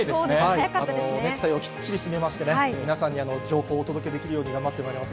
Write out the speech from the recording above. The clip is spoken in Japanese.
ネクタイをきっちり締めまして皆さんに情報を届けできるよう頑張ります。